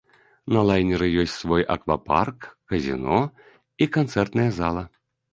На лайнеры ёсць свой аквапарк, казіно і канцэртная зала.